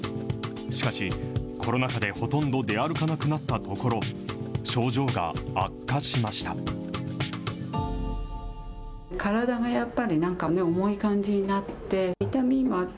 しかし、コロナ禍でほとんど出歩かなくなったところ、症状が悪化しました。